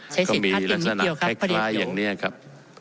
ก็มีลักษณะคล้ายอย่างนี้ครับ